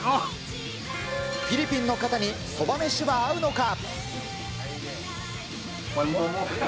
フィリピンの方にそばめしは合うのか。